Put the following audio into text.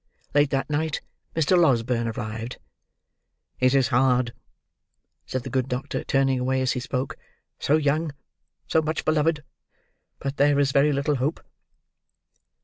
Late that night, Mr. Losberne arrived. "It is hard," said the good doctor, turning away as he spoke; "so young; so much beloved; but there is very little hope."